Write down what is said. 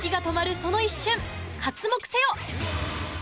その一瞬、刮目せよ！